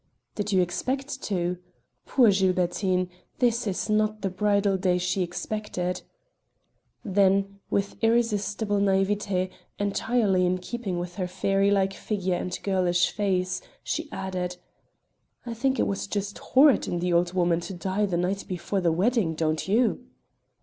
"Did you expect to? Poor Gilbertine! This is not the bridal day she expected." Then, with irresistible naïveté entirely in keeping with her fairy like figure and girlish face, she added: "I think it was just horrid in the old woman to die the night before the wedding; don't you?"